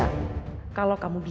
tunggu sini kw mada nanti aku ubah